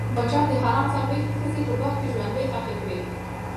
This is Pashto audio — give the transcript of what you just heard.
پاچا د حرم څلوېښت ښځې په باغ کې ژوندۍ ښخې کړې.